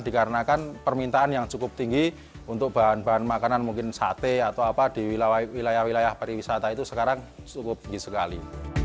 dikarenakan permintaan yang cukup tinggi untuk bahan bahan makanan mungkin sate atau apa di wilayah wilayah pariwisata itu sekarang cukup tinggi sekali